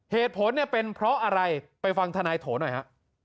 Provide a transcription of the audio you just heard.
เหตุผลเนี่ยเป็นเพราะอะไรไปฟังทนายโถหน่อยฮะ